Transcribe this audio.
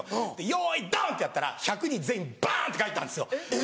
用意ドン！ってやったら１００人全員バン！って帰ったんですよ。